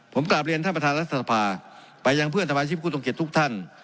ผมกลับเรียนท่านประธานรัฐศาสตร์ภาพไปอย่างเพื่อนธรรมชีพคุณตรงเกียจทุกท่าน